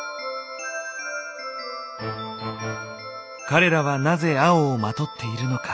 彼らはなぜ青を纏っているのか？